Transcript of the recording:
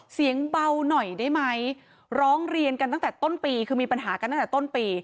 เสียงเบาหน่อยได้ไหมร้องเรียนกันตั้งแต่ต้นปีคือมีปัญหากันตั้งแต่ต้นปี